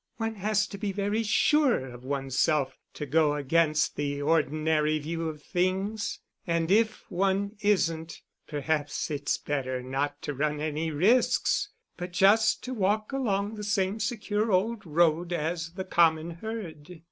One has to be very sure of oneself to go against the ordinary view of things; and if one isn't, perhaps it's better not to run any risks, but just to walk along the same secure old road as the common herd.